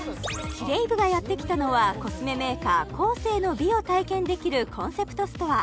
キレイ部がやって来たのはコスメメーカーＫＯＳＥの美を体験できるコンセプトストア